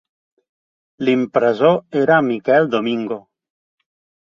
L'impressor era Miquel Domingo.